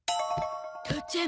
父ちゃん。